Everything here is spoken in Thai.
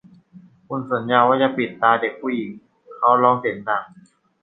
คุณสัญญาว่าจะปิดตาเด็กผู้หญิงเขาร้องเสียงดัง